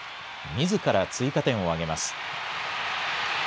みずから追加点を挙げます。